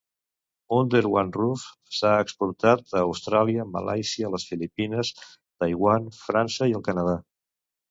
Under One Roof s'ha exportat a Austràlia, Malàisia, les Filipines, Taiwan, França i el Canadà.